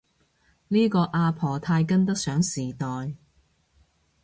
呢個阿婆太跟得上時代